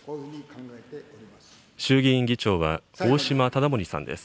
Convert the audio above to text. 衆議院議長は大島理森さんです。